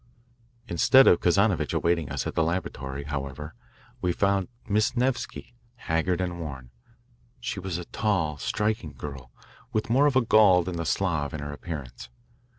Instead of Kazanovitch awaiting us at the laboratory, however, we found Miss Nevsky, haggard and worn. She was a tall, striking girl with more of the Gaul than the Slav in her appearance.